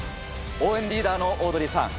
応援リーダーのオードリーさん